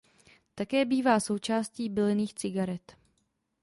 Také bývá součástí bylinných cigaret.